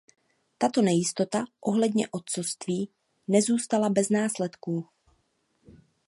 Tato nejistota ohledně otcovství nezůstala bez následků.